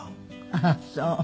ああそう。